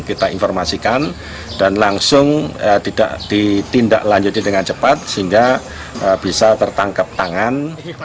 kita informasikan dan langsung tidak ditindaklanjuti dengan cepat sehingga bisa tertangkap tangan